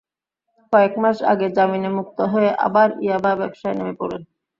কয়েক মাস আগে জামিনে মুক্ত হয়ে আবার ইয়াবা ব্যবসায় নেমে পড়েন।